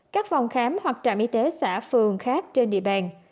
các phòng khám hoặc trạm y tế xã phường khác trên địa bàn